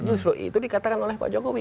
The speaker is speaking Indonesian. justru itu dikatakan oleh pak jokowi